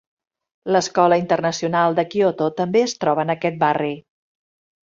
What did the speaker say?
L'Escola Internacional de Kyoto també es troba en aquest barri.